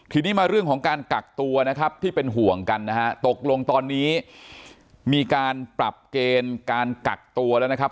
ทีนี้มาเรื่องของการกักตัวนะครับที่เป็นห่วงกันนะฮะตกลงตอนนี้มีการปรับเกณฑ์การกักตัวแล้วนะครับ